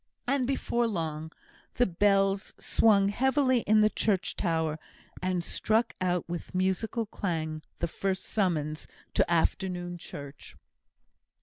And before long, the bells swung heavily in the church tower, and struck out with musical clang the first summons to afternoon church.